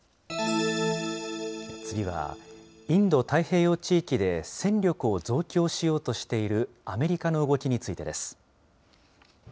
次はインド太平洋地域で、戦力を増強しようとしているアメリカの動きについてです。